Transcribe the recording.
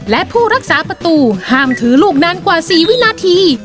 และผู้รักษาประตูห้ามถือลูกนานกว่า๔วินาที